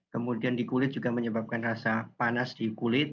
kemudian di kulit juga menyebabkan rasa panas di kulit